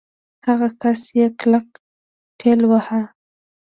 هغه کس يې کلک ټېلوهه.